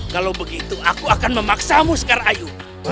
kalau begitu aku akan memaksamu sekarang ayu